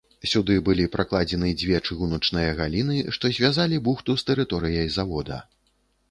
Сюды былі пракладзены дзве чыгуначныя галіны, што звязалі бухту з тэрыторыяй завода.